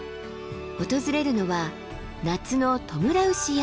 訪れるのは夏のトムラウシ山。